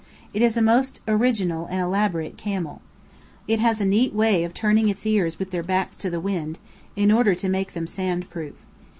It is a most original and elaborate camel. It has a neat way of turning its ears with their backs to the wind, in order to make them sand proof.